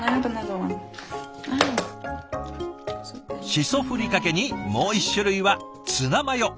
しそふりかけにもう１種類はツナマヨ。